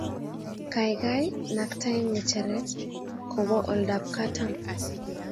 Kaikai ,naktae ngecheret kwo olda ab katam